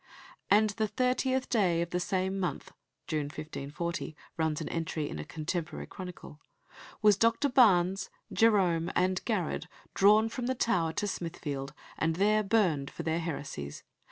"And the thirtieth day of the same month," June 1540, runs an entry in a contemporary chronicle, "was Dr. Barnes, Jerome, and Garrard, drawn from the Tower to Smithfield, and there burned for their heresies.